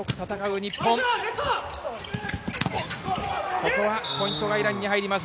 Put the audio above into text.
ここはポイントがイランに入ります。